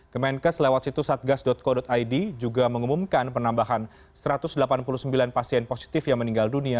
kemenkes lewat situs satgas co id juga mengumumkan penambahan satu ratus delapan puluh sembilan pasien positif yang meninggal dunia